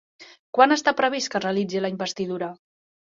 Quan està previst que es realitzi la investidura?